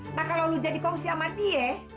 nah kalau lu jadi kongsi ama dia